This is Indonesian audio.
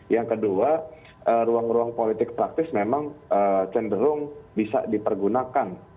yang kedua ruang ruang politik praktis memang cenderung bisa dipergunakan